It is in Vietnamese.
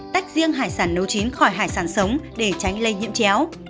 tách riêng hải sản nấu chín khỏi hải sản sống để tránh lây nhiễm chéo